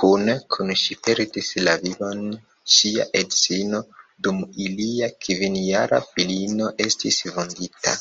Kune kun ŝi perdis la vivon ŝia edzo dum ilia kvinjara filino estis vundita.